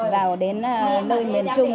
vào đến nơi miền trung